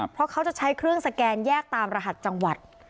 เพราะเขาจะใช้เครื่องสแกนแยกตามรหัสจังหวัด